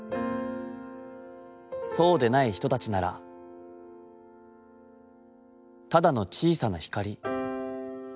そうでない人たちなら、ただの小さな光。